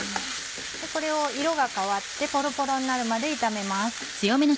これを色が変わってポロポロになるまで炒めます。